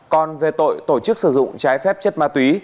còn về tội tổ chức sử dụng trái phép chất ma túy